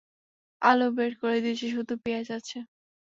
আলু বের করে দিয়েছি, শুধু পিঁয়াজ আছে।